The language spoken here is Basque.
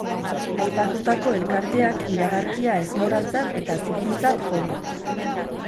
Aipatutako elkarteak iragarkia ezmoraltzat eta zikintzat jo du.